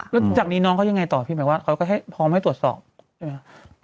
แล้วจากนี้น้องเขายังไงต่อพี่หมายว่าเขาก็ให้พร้อมให้ตรวจสอบใช่ไหม